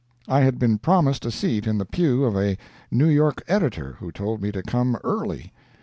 I had been promised a seat in the pew of a New York editor, who told me to come 'early.'